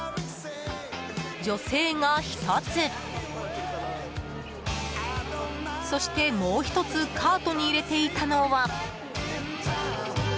女性が１つ、そしてもう１つカートに入れていたのは。